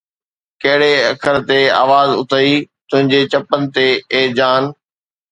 ڪھڙي اکر تي آواز اٿئي تنھنجي چپن تي اي جان؟